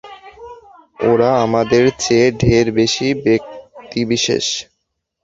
ওরা আমাদের চেয়ে ঢের বেশি ব্যক্তি-বিশেষ।